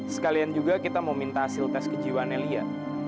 sekalian juga kita mau minta hasil tes kejiwaannya lia